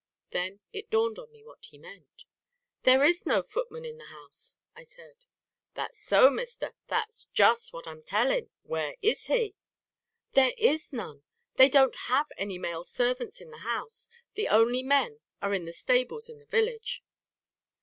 Then it dawned on me what he meant. "There is no footman in the house!" I said. "That's so, Mister. That's just what I'm tellin'! Where is he?" "There is none; they don't have any male servants in the house. The only men are in the stables in the village."